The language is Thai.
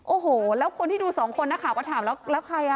โอ้โหแล้วคนที่ดูสองคนนักข่าวก็ถามแล้วแล้วใครอ่ะ